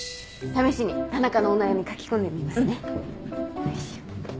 試しに田中のお悩み書き込んでみますね。